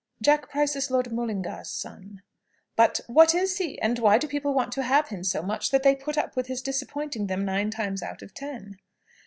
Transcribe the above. "Jack Price is Lord Mullingar's son." "But what is he? And why do people want to have him so much, that they put up with his disappointing them nine times out of ten?"